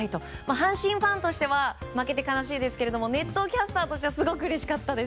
阪神ファンとしては負けて悲しいですが熱闘キャスターとしてはすごくうれしかったです。